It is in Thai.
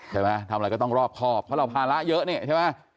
ทำอะไรก็ต้องรอบครอบเพราะเราภาระเยอะนี่ใช่ไหม